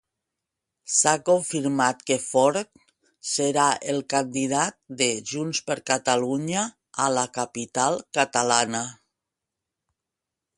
S'ha confirmat que Forn serà el candidat de JxCat a la capital catalana.